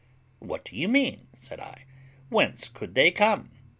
"What do you mean?" said I. "Whence could they come?"